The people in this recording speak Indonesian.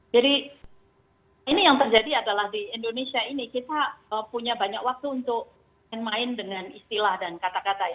ini yang terjadi adalah di indonesia ini kita punya banyak waktu untuk main dengan istilah dan kata kata ya